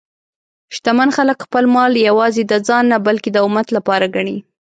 شتمن خلک خپل مال یوازې د ځان نه، بلکې د امت لپاره ګڼي.